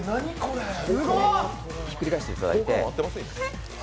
ひっくり返していただいて。